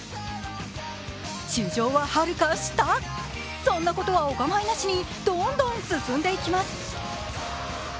地上ははるか下、そんなことはお構いなしにどんどん進んでいきます。